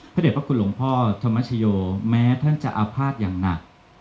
เด็จพระคุณหลวงพ่อธรรมชโยแม้ท่านจะอาภาษณ์อย่างหนัก